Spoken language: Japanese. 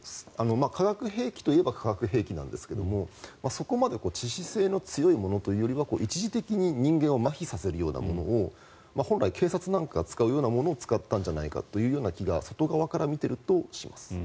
化学兵器といえば化学兵器なんですけどそこまで致死性の強いものというよりは一時的に人間をまひさせるようなものを本来警察なんかが使うようなものを使ったんじゃないかという気が外側から見ているとそういう気がします。